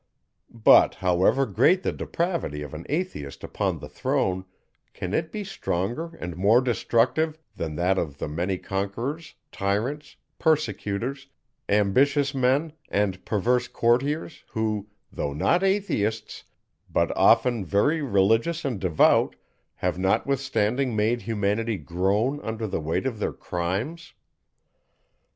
But, however great the depravity of an Atheist upon the throne, can it be stronger and more destructive, than that of the many conquerors, tyrants, persecutors, ambitious men, and perverse courtiers, who, though not Atheists, but often very religious and devout, have notwithstanding made humanity groan under the weight of their crimes?